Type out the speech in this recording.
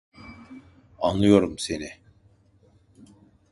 Anlıyorum seni.